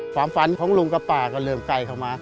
ความฝันของลุงกับป่าก็เริ่มใกล้เข้ามา